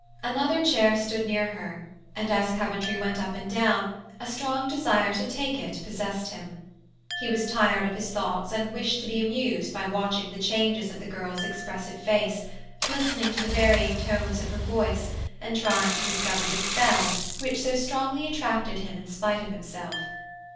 Another chair stood near her, and as Coventry went up and down, a strong desire to take it possessed him. He was tired of his thoughts and wished to be amused by watching the changes of the girl's expressive face, listening to the varying tones of her voice, and trying to discover the spell which so strongly attracted him in spite of himself.